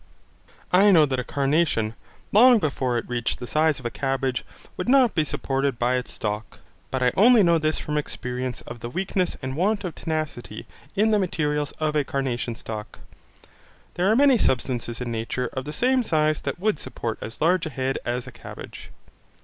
I know that a carnation, long before it reached the size of a cabbage, would not be supported by its stalk, but I only know this from my experience of the weakness and want of tenacity in the materials of a carnation stalk. There are many substances in nature of the same size that would support as large a head as a cabbage.